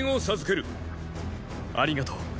ありがとう。